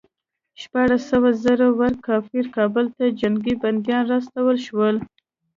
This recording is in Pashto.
شپاړس سوه زړه ور کافر کابل ته جنګي بندیان راوستل شول.